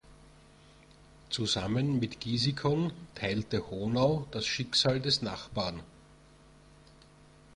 Zusammen mit Gisikon teilte Honau das Schicksal des Nachbarn.